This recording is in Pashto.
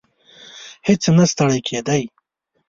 هیڅ نه ستړی کېدی.